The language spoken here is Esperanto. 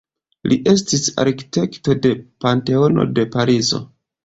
Li estis arkitekto de Panteono de Parizo.